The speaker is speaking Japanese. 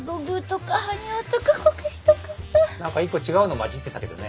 何か一個違うの交じってたけどね。